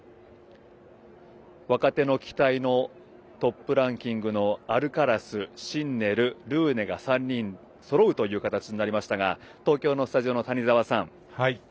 若手の期待のトップランキングのアルカラス、シンネルルーネが３人そろうという形になりましたが東京のスタジオの谷澤さん